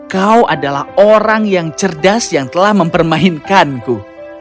kau adalah orang yang cerdas yang telah mempermainkanku